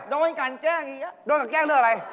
โดนกันแกล้งด้วยอะไร